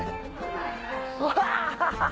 うわ！